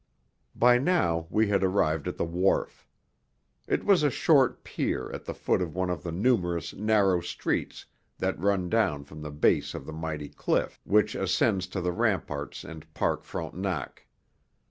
By now we had arrived at the wharf. It was a short pier at the foot of one of the numerous narrow streets that run down from the base of the mighty cliff which ascends to the ramparts and Park Frontenac.